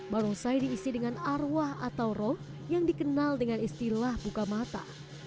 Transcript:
barongsai diisi dengan arwah atau roh yang dikenal dengan istilah buka mata